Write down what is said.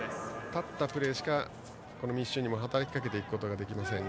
立ったプレーしか密集に働きかけていくことができません。